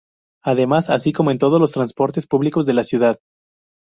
Además, así como en todos los transportes públicos de la ciudad.